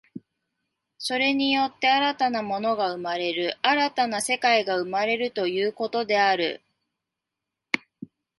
それによって新たな物が生まれる、新たな世界が生まれるということである。